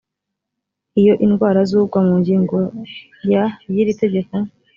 iyo indwara z ugwa mu ngingo ya y iri tegeko